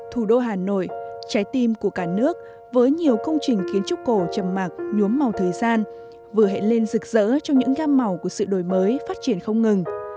thủ đô hà nội trái tim của cả nước với nhiều công trình kiến trúc cổ trầm mạc nhuốm màu thời gian vừa hẹn lên rực rỡ trong những gam màu của sự đổi mới phát triển không ngừng